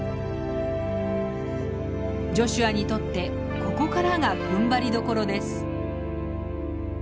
ジョシュアにとってここからがふんばりどころです。